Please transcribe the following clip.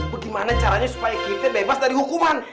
bagaimana caranya supaya kita bebas dari hukuman